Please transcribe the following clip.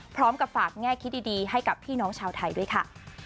พร้อมกับฝากแง่คิดดีให้กับพี่น้องชาวไทยด้วยค่ะ